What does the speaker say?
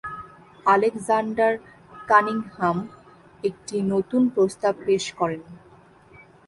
Alexander Cunningham একটি নতুন প্রস্তাব পেশ করেন।